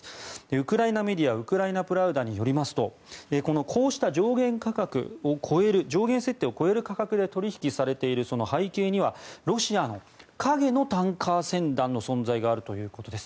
ウクライナメディアウクライナ・プラウダによりますとこうした上限設定を超える価格で取引されている背景にはロシアの影のタンカー船団の存在があるということです。